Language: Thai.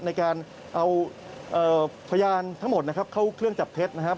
ในการเอาพยานทั้งหมดเข้าเครื่องจับเพชรนะครับ